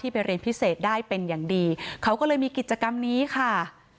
ไปเรียนพิเศษได้เป็นอย่างดีเขาก็เลยมีกิจกรรมนี้ค่ะ